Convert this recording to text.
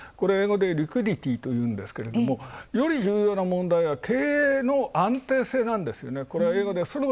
リクリティーっていうんですがより重要な問題ですが経営の安定性なんですよね。